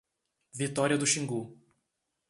Vitória do Xingu